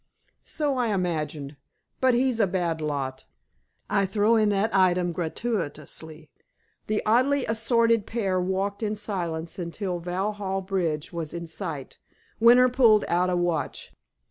"So I imagined. But he's a bad lot. I throw in that item gratuitously." The oddly assorted pair walked in silence until Vauxhall Bridge was in sight. Winter pulled out a watch.